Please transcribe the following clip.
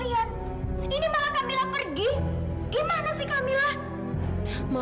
ini malah kamila pergi gimana sih kamila